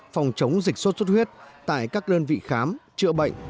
phòng chống dịch xuất xuất huyết tại các đơn vị khám trợ bệnh